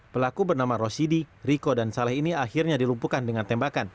pelaku bernama rosidi riko dan saleh ini akhirnya dilumpuhkan dengan tembakan